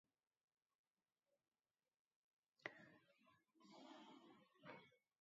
Epaiketa normaltasun osoz hasi da, ez da istilurik izan.